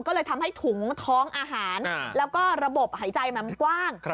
ก็เลยทำให้ถุงท้องอาหารแล้วก็ระบบหายใจมันกว้าง